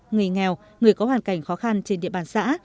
người nghèo người có hoàn cảnh khó khăn trên địa bàn xã